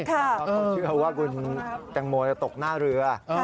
เพราะเขาเชื่อว่าคุณแตงโมจะตกหน้าเรือ